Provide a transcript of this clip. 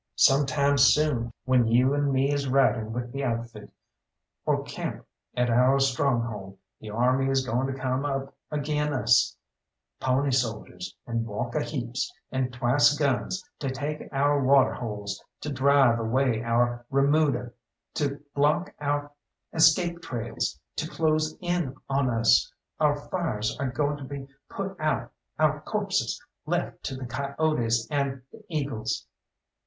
Some time soon, when you and me is riding with the outfit, or camped at our stronghold, the army is goin' to come up agin' us pony soldiers, and walk a heaps, and twice guns, to take our water holes, to drive away our remuda, to block our escape trails, to close in on us. Our fires are goin' to be put out, our corpses left to the coyotes and the eagles."